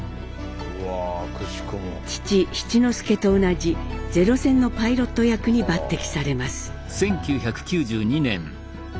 父・七之助と同じゼロ戦のパイロット役に抜擢されます。